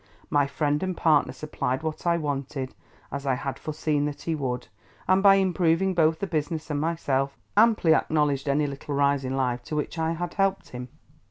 My friend and partner supplied what I wanted, as I had foreseen that he would, and by improving both the business and myself, amply acknowledged any little rise in life to which I had helped him.